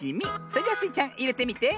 それじゃスイちゃんいれてみて。